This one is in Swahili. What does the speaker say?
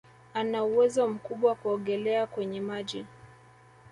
Ana uwezo mkubwa kuogelea kwenye maji